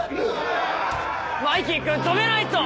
マイキー君止めないと！